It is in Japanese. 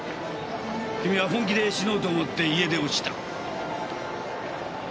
君は本気で死のうと思って家出をした。